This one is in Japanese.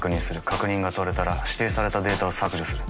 確認が取れたら指定されたデータを削除する。